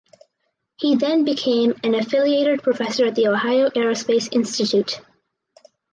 He then became an Affiliated Professor at the Ohio Aerospace Institute.